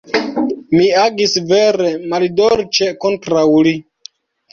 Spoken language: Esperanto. Mi agis vere maldolĉe kontraŭ li.